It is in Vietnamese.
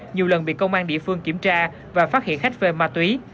nhiều lần bị công an địa phương kiểm tra và phát hiện khách về ma túy